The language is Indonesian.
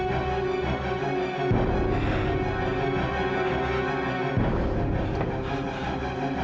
sofron kamu tuh dimana sih